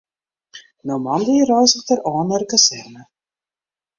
No moandei reizget er ôf nei de kazerne.